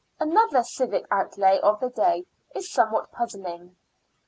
Another civic outlay of the day is somewhat puzzling.